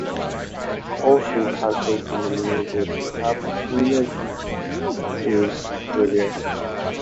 Also has just been nominated to have the cleanest beaches in Victoria.